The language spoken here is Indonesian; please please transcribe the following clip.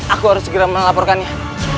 aku harus segera melaporkannya